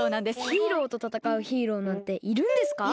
ヒーローとたたかうヒーローなんているんですか？